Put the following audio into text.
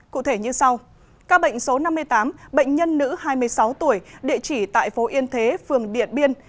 cụ thể như sau các bệnh số năm mươi tám bệnh nhân nữ hai mươi sáu tuổi địa chỉ tại phố yên thế phường điện biên